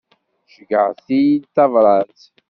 Ceyyɛet-iyi-d tabrat.